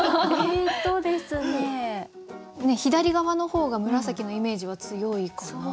左側の方が紫のイメージは強いかな？